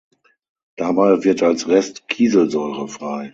Dabei wird als Rest Kieselsäure frei.